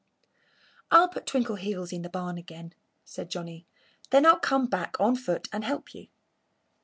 "I'll put Twinkleheels in the barn again," said Johnnie. "Then I'll come back on foot and help you."